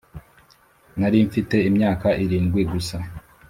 narimfite imyaka irindwi gusa.